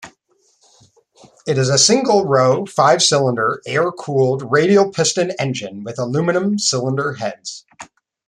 It is a single-row five-cylinder air-cooled radial piston engine with aluminum cylinder heads.